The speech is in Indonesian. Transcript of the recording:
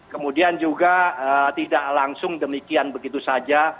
kemudian juga tidak langsung demikian begitu saja